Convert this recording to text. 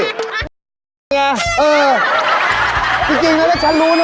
นี่ไงเออจริงนะถ้าฉันรู้นะ